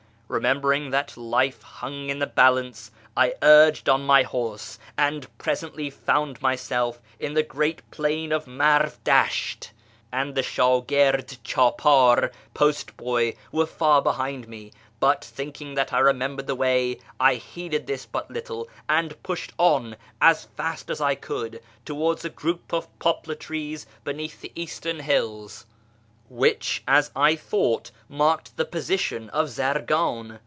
Remembering that life hung in the balance I urged on my horse, and presently found myself in the great plain of Marv Dasht, Haji Safar and the shdgird chdpdr (post boy) were far behind me, but, thinking that I remembered the way, I heeded this but little, and pushed on as fast as I could towards a group of poplar trees beneath the eastern hills, which, as I thought, marked the position of Zargiin.